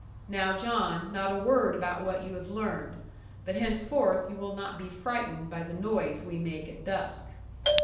Now, John, not a word about what you have learned; but henceforth you will not be frightened by the noise we make at dusk.'